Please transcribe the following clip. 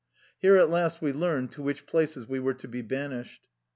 Here at last we learned to which places we were to be banished.